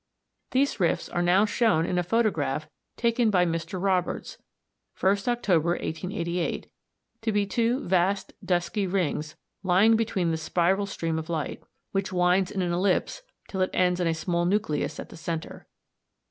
These rifts are now shown in a photograph taken by Mr. Roberts, 1st October 1888, to be two vast dusky rings lying between the spiral stream of light, which winds in an ellipse till it ends in a small nucleus at the centre.